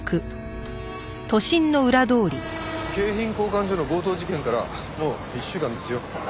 景品交換所の強盗事件からもう１週間ですよ。